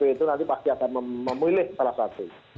itu nanti pasti akan memilih salah satu